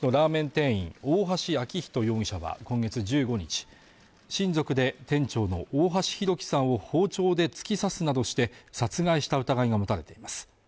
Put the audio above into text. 店員大橋昭仁容疑者は今月１５日親族で店長の大橋弘輝さんを包丁で突き刺すなどして殺害した疑いが持たれています